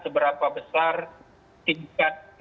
seberapa besar tingkat